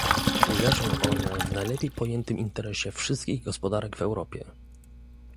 Leżą one w najlepiej pojętym interesie wszystkich gospodarek w Europie